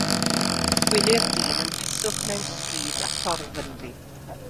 Gwelir dyn yn peswch mewn stryd a thorf ynddi.